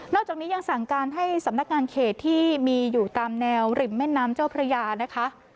จากนี้ยังสั่งการให้สำนักงานเขตที่มีอยู่ตามแนวริมแม่น้ำเจ้าพระยานะคะ